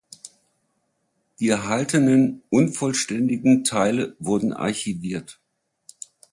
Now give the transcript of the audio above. Die erhaltenen, unvollständigen Teile wurden archiviert.